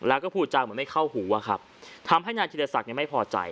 แล้วก็พูดจาเหมือนไม่เข้าหูอะครับทำให้นายธิรศักดิ์ไม่พอใจ